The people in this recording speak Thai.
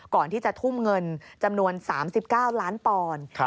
ก่อนที่จะทุ่มเงินจำนวน๓๙ล้านปอนด์